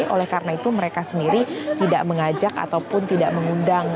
oleh karena itu mereka sendiri tidak mengajak ataupun tidak mengundang